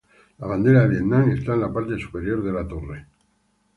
La bandera de Vietnam está en la parte superior de la torre.